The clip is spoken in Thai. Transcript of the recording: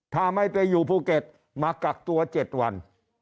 ถ้าไม่ไปอยู่ภูเก็ตมากักตัว๗วัน